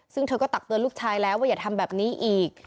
ซึ่งเธอก็ตักเตือนลูกชายแล้วว่าอย่าทำแบบนี้อีก